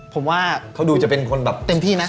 ผมว่าเขาดูจะเป็นคนแบบเต็มที่นะ